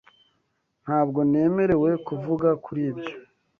Ntabwo nemerewe kuvuga kuri ibyo.